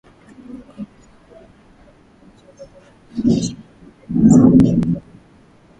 Kongo inashirikiana mipaka na nchi zote za Afrika Mashariki isipokuwa Kenya